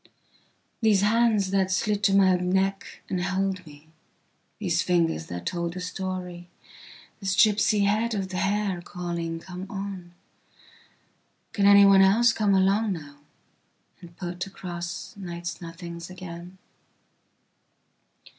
These hands that slid to my neck and held me, these fingers that told a story, this gipsy head of hair calling: Come on:can anyone else come along nowand put across night's nothings again?